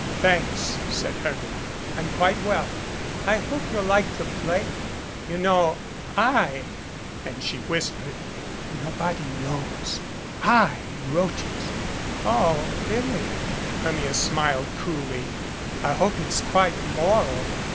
"Thanks," said Hermia. "I'm quite well." "I hope you'll like the play, you know I " and she ^hispered. "Nobody knows / wrote it." 298 MRS. HAMMOND ENTERTAINS "Oh, really," Hermia smiled coplly. "I hope it's quite moral."